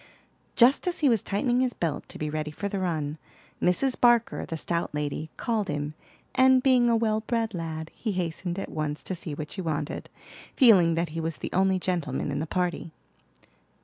Just as he was tightening his belt to be ready for the run, Mrs. Barker, the stout lady, called him; and being a well bred lad, he hastened at once to see what she wanted, feeling that he was the only gentleman in the party.